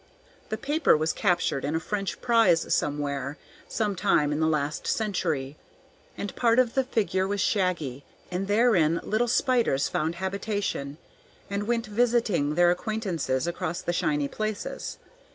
The paper was captured in a French prize somewhere some time in the last century, and part of the figure was shaggy, and therein little spiders found habitation, and went visiting their acquaintances across the shiny places.